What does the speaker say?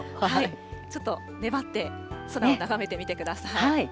ちょっと粘って空を眺めてみてください。